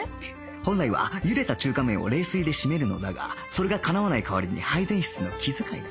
本来は茹でた中華麺を冷水で締めるのだがそれがかなわない代わりに配膳室の気遣いだ